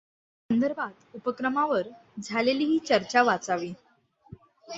या संदर्भात उपक्रमावर झालेली ही चर्चा वाचावी.